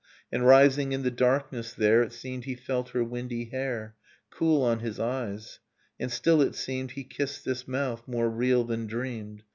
And rising in the darkness there It seemed he felt her windy hair Cool on his eyes, and still it seemed He kissed this mouth, more real than dreamed